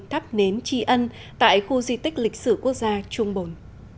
thắp nến tri ân tại khu di tích lịch sử quốc gia trung bồn